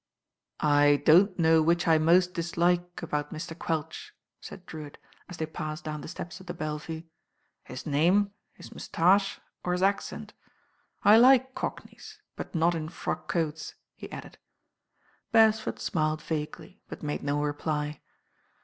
"I don't ''now which I most dislike about Mr. Quelch," said Drewitt, as they passed down flie steps of the Belle Vue, "his name, his moustache, or his accent. I like cockneys; but not in frc ' coats,'* he added. Beresford smiled vaguely; but made no reply.